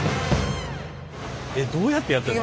えっどうやってやってんの？